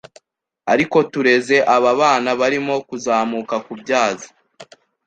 ariko tureze aba bana barimo kuzamuka kubyaza